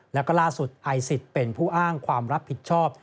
แล้วก็ล่าสุดไอซิสเป็นผู้อ้างความรับผิดชอบ